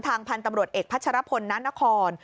ทางพันธ์ตำรวจเอกพัชรพลณนคร